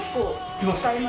きました！